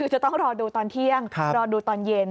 จะต้องรอดูตอนเที่ยงรอดูตอนเย็น